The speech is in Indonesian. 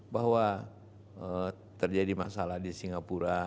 bahwa terjadi masalah di singapura